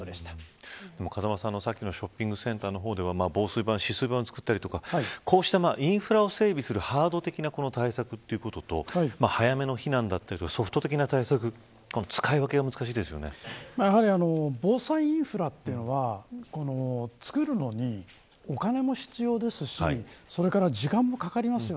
風間さん、さっきのショッピングセンターでは防水板を作ったりインフラを整備するハードル早めの避難だったりソフト的な対策、判断防災インフラというのは造るのにお金も必要ですし時間もかかります。